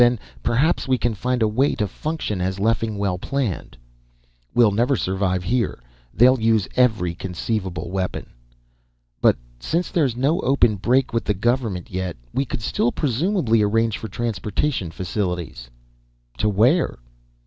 Then, perhaps, we can find a way to function as Leffingwell planned." "We'll never survive here. They'll use every conceivable weapon." "But since there's no open break with the government yet, we could still presumably arrange for transportation facilities." "To where?"